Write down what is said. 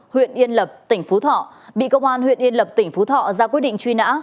huyện yên lập tỉnh phú thọ bị công an huyện yên lập tỉnh phú thọ ra quyết định truy nã